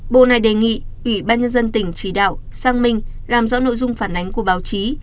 bộ này đề nghị ủy ban nhân dân tỉnh chỉ đạo sang minh làm rõ nội dung phản ánh của báo chí